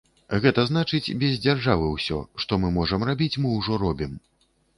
Гэта значыць, без дзяржавы ўсё, што мы можам рабіць, мы ўжо робім.